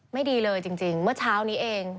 ไม่ดีเลยจริงเมื่อเช้านี้เอง